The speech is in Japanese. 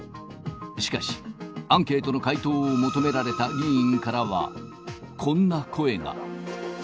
しかし、アンケートの回答を求められた議員からは、こんな声が。